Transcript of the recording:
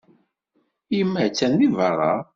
Yemma attan deg beṛṛa.